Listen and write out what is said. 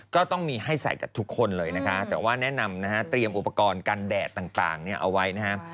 ก็ต้องมีให้ใส่กับทุกคนเลยนะคะแต่ว่าแนะนำนะฮะเตรียมอุปกรณ์กันแดดต่างเนี่ยเอาไว้นะครับ